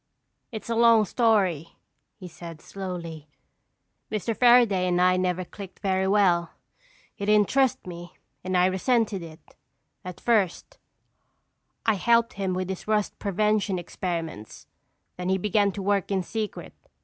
"It's a long story," he said slowly. "Mr. Fairaday and I never clicked very well. He didn't trust me and I resented it. At first I helped him with his rust prevention experiments, then he began to work in secret.